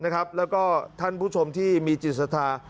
แล้วก็ท่านผู้ชมที่มีจิตศรัทธา